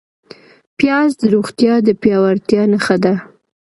پیاز د روغتیا د پیاوړتیا نښه ده